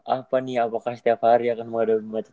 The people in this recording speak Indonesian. apakah setiap hari akan ada macet